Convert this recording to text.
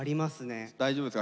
大丈夫ですか？